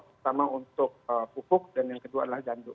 pertama untuk pupuk dan yang kedua adalah gandum